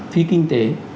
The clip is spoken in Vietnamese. phi kinh tế